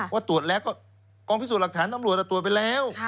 ว่าตรวจแล้วก็กองพิสูจน์หลักฐานตำรวจตรวจไปแล้ว